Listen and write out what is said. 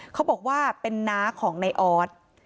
เขาบอกว่าเป็นน้าของในออส